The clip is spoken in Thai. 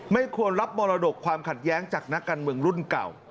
ไม่ควรรับมรดกความขัดแย้งจากนักการเมืองรุ่นเก่า